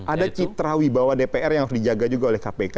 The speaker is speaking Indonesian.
ada citra wibawa dpr yang harus dijaga juga oleh kpk